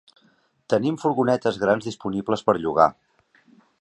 Tenim furgonetes grans disponibles per llogar.